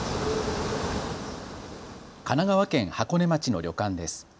神奈川県箱根町の旅館です。